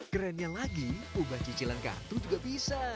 kerennya lagi ubah cicilan kartu juga bisa